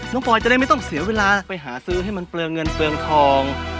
ปอยจะได้ไม่ต้องเสียเวลาไปหาซื้อให้มันเปลืองเงินเปลืองทอง